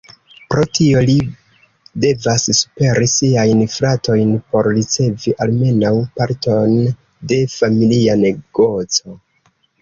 Pro tio li devas superi siajn fratojn por ricevi almenaŭ parton de familia negoco.